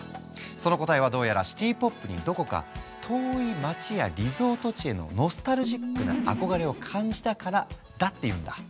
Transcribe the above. その答えはどうやらシティ・ポップにどこか遠い街やリゾート地へのノスタルジックな憧れを感じたからだっていうんだ。